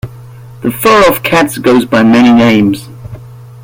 The fur of cats goes by many names.